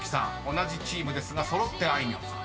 ［同じチームですが揃ってあいみょんさん］